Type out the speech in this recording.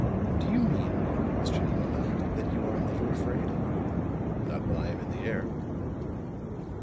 "Do you mean," questioned Mona, "that you are never afraid?" "Not when I am in the air."